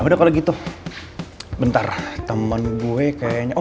nggak kepikiran sama sekali samnya beue